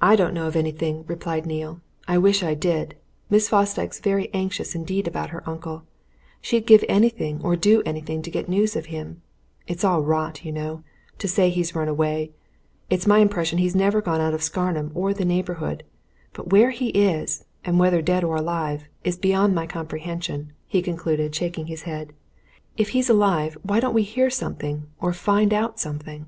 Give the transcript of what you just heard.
"I don't know of anything," replied Neale. "I wish I did! Miss Fosdyke's very anxious indeed about her uncle: she'd give anything or do anything to get news of him. It's all rot, you know, to say he's run away it's my impression he's never gone out of Scarnham or the neighbourhood. But where he is, and whether dead or alive, is beyond my comprehension," he concluded, shaking his head. "If he's alive, why don't we hear something, or find out something?"